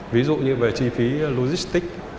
ví dụ như về chi phí logistic